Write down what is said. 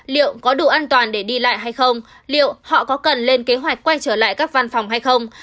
liệu có đủ an toàn để đi lại hay không liệu họ có cần lên kế hoạch quay trở lại các văn phòng hay không